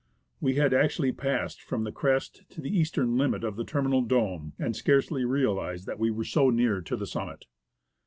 We had actually passed from the crest to the eastern limit of the terminal dome, and scarcely realized that we were so near to the summit.